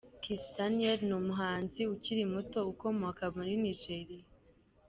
Kiss Daniel ni umuhanzi ukiri muto ukomoka muri Nigeria.